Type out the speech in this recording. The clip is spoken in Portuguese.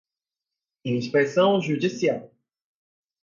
inspeção judicial